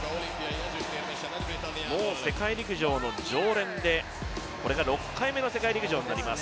もう世界陸上の常連で、これが６回目の世界陸上になります。